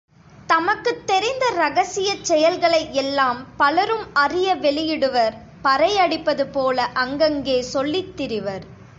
தமக்குத் தெரிந்த இரகசியச் செய்களை எல்லாம் பலரும் அறிய வெளியிடுவர் பறை அடிப்பதுபோல அங்கங்கே சொல்லித் திரிவர்.